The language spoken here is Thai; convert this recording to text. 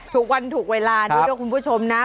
ถูกวันถูกเวลาทุกคนผู้ชมนะ